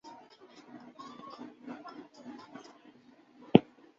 它使得在纤维丛的截面上用一种不变形式来表达微分方程成为可能。